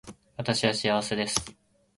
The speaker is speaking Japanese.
私は幸せです